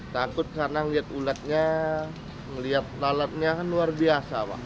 takut karena ngeliat ulatnya ngeliat lalatnya kan luar biasa pak